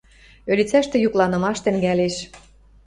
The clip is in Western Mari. Ӧлицӓштӹ юкланымаш тӹнгӓлеш.